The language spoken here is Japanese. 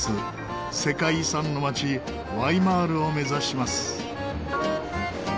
世界遺産の街ワイマールを目指します。